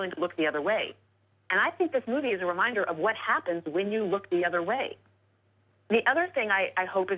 ดังน่าสิ่งที่เป็นการในการสำคัญมีการประสาทรวดการการการถูกเจ้า